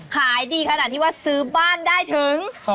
ขายดีขนาดที่ว่าซื้อบ้านได้ถึง